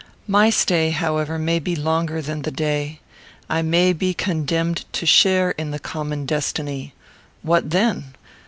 My stay, however, may be longer than the day. I may be condemned to share in the common destiny. What then?